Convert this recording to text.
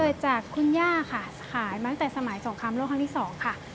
เกิดจากคุณย่าค่ะขายมาตั้งแต่สมัยสงครามโลกครั้งที่๒ค่ะ